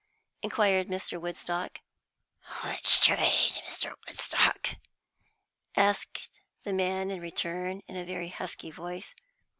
inquired Mr. Woodstock. "Which trade, Mr. Woodstock?" asked the man in return, in a very husky voice.